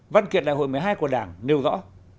văn kiện đại hội một mươi hai của đảng nêu rõ